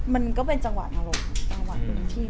มันก็เป็นจังหว่าอารมณ์